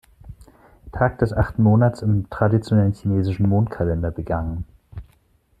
Tag des achten Monats im traditionellen chinesischen Mondkalender begangen.